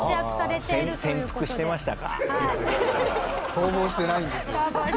逃亡してないんですよ。